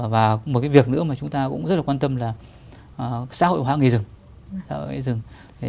và một cái việc nữa mà chúng ta cũng rất là quan tâm là xã hội hóa nghề rừng